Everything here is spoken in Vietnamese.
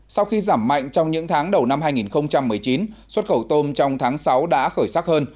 sau khi giảm mạnh trong những tháng đầu năm hai nghìn một mươi chín xuất khẩu tôm trong tháng sáu đã khởi sắc hơn